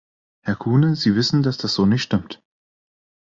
Herr Kuhne, Sie wissen, dass das so nicht stimmt.